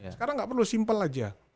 sekarang gak perlu simple aja